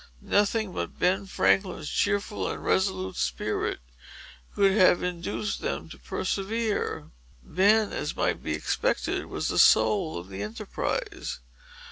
Nothing but Ben Franklin's cheerful and resolute spirit could have induced them to persevere. Ben, as might be expected, was the soul of the enterprise.